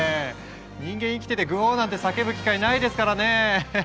人間生きててグォーなんて叫ぶ機会ないですからね。